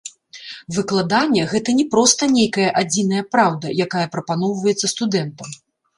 Выкладанне гэта не проста нейкая адзіная праўда, якая прапаноўваецца студэнтам.